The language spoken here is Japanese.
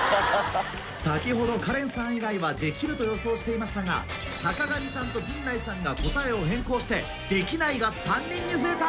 先ほどカレンさん以外は「できる」と予想していましたが坂上さんと陣内さんが答えを変更して「できない」が３人に増えた！